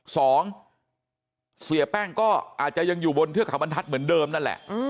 สองเสียแป้งก็อาจจะยังอยู่บนเทือกเขาบรรทัศน์เหมือนเดิมนั่นแหละ